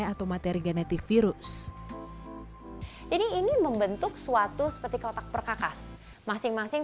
atau materi genetik virus ini ini membentuk suatu seperti kotak perkakas masing masing